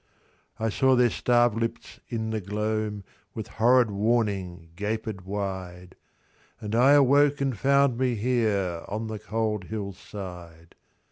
XI.I saw their starved lips in the gloam, With horrid warning gaped wide, And I awoke and found me here, On the cold hill's side.